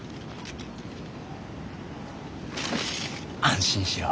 安心しろ。